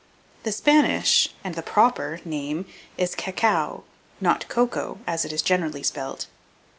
The Spanish, and the proper name, is cacao, not cocoa, as it is generally spelt.